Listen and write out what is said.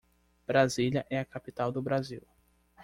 Brasília é a capital do Brasil.